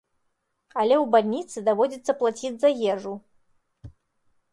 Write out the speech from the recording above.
Але ў бальніцы даводзіцца плаціць за ежу.